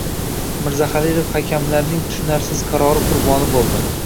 Mirzaxalilov hakamlarning tushunarsiz qarori “qurboni” bo‘ldi